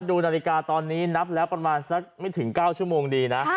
ดูนาฬิกาตอนนี้นับแล้วประมาณสักไม่ถึง๙ชั่วโมงดีนะ